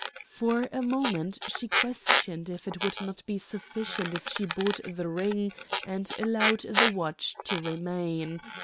For a moment she questioned if it would not be sufficient if she bought the ring and allowed the watch to remain.